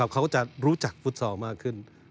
เขาก็จะรู้จักฟุตซอลมากขึ้น